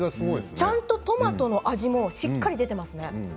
ちゃんとトマトの味もしっかり出ていますね。